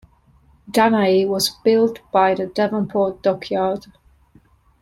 "Danae" was built by Devonport Dockyard.